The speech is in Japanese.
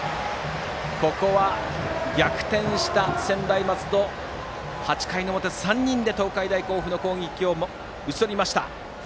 ここは前の回に逆転した専大松戸８回の表、３人で東海大甲府の攻撃を打ち取りました。